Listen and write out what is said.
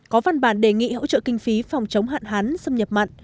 có văn bản đề nghị hỗ trợ kinh phí phòng chống hạn hán xâm nhập mặn